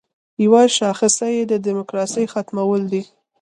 یوه شاخصه یې د دیموکراسۍ ختمول دي.